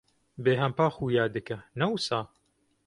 Bêhempa xuya dike, ne wisa?